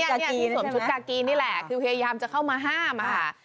ที่สวมชุดกากีนี่แหละคือพยายามจะเข้ามาห้ามอะค่ะ